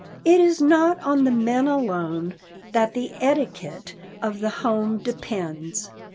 It is not on the men alone that the etiquette of the home depends.